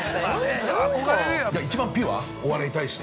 一番ピュア、お笑いに対して。